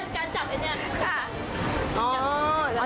การจับอย่างนี้